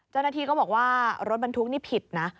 เจ้าหน้าที่ก็บอกว่ารถบรรทุกนี่ผิดนะ